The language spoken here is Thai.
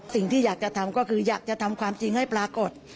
สิ่งที่อยากจะทำก็คืออยากจะทำความจริงให้ปรากฏ